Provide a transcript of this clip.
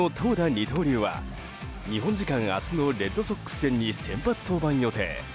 二刀流は日本時間明日のレッドソックス戦に先発登板予定。